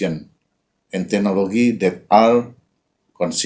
dan pengembangan teknologi yang